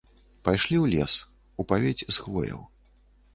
Пайшлі ў лес, у павець з хвояў.